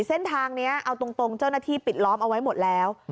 เส้นทางนี้เอาตรงเจ้าหน้าที่ปิดล้อมเอาไว้หมดแล้ว